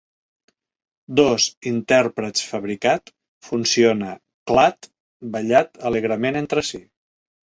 Dos intèrprets fabricat funciona CLAD ballar alegrement entre si.